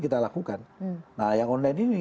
kita lakukan nah yang online ini